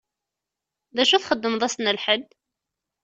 D acu txeddmeḍ ass n lḥedd?